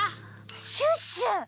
シュッシュ！